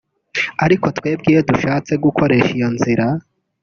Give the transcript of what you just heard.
ariko twebweho iyo dushatse gukoresha iyo nzira